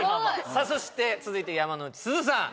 そして続いて山之内すずさん